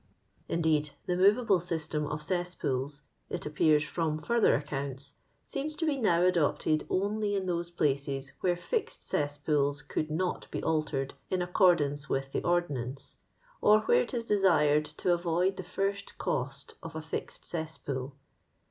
Indeed, the movable system of cesspools (it appears from further accounts) seems to be now adopted only in those places where fixed cesspools could not be altered in ac cordance with the ordonnance, or where it is desired to avoid the first cost of a fixed cesspool.